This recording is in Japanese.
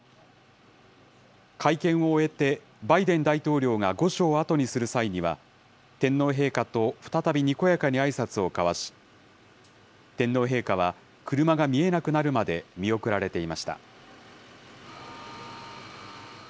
会見を終えて、バイデン大統領が御所をあとにする際には、天皇陛下と再びにこやかにあいさつを交わし、天皇陛下は、車が見えなくなるまで見送られていました。